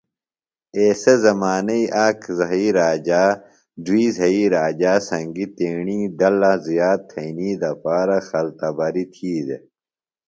ایسےۡ زمانئی ایک زھئی راجا دُئی زھئی راجا سنگیۡ تیݨی ڈلہ زیات تھئنی دپارہ خلتبریۡ تھی دےۡ